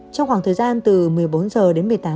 trong khoảng thời gian từ một mươi bốn h đến một mươi tám h